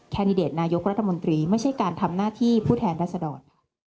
แดดิเดตนายกรัฐมนตรีไม่ใช่การทำหน้าที่ผู้แทนรัศดร